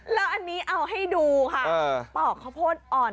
แล้วอันนี้เอาให้ดูค่ะปอกข้าวโพดอ่อน